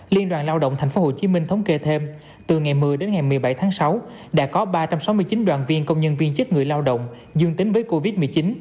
liên đoàn lao động tp hcm thống kê thêm từ ngày một mươi đến ngày một mươi bảy tháng sáu đã có ba trăm sáu mươi chín đoàn viên công nhân viên chức người lao động dương tính với covid một mươi chín